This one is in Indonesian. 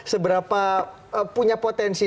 seberapa punya potensi